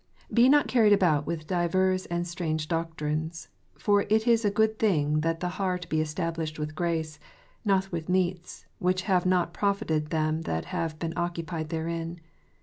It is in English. " Be not carried about with divers and strange doctrines. For it is a good thing that the heart be established with grace ; not with meats, which have not profited them that have been occupied therein."